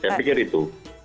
saya pikir itu